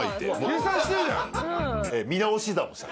計算してるじゃん。